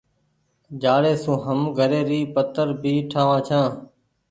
جآڙي سون هم گھري ري پتر ڀي ٺآ وآن ڇآن۔